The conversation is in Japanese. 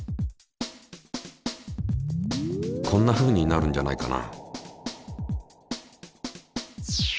こんなふうになるんじゃないかな？